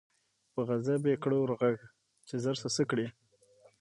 په غضب یې کړه ور ږغ چي ژر سه څه کړې